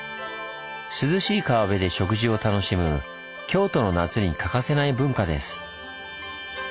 涼しい川辺で食事を楽しむ京都の夏に欠かせない文化です。